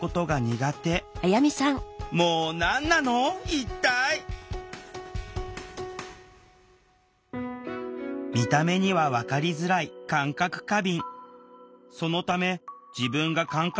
一体見た目には分かりづらい感覚過敏。